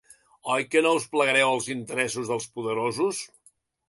Oi que no us plegareu als interessos dels poderosos?